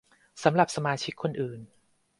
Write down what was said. สำหรับสมาชิกคนอื่น